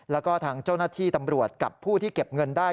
แล้วก็ทางเจ้าหน้าที่ตำรวจกับผู้ที่เก็บเงินได้